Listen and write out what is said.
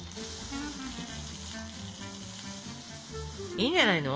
いいんじゃないの？